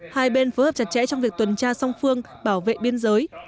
hai bên phối hợp chặt chẽ trong việc tuần tra song phương bảo vệ biên giới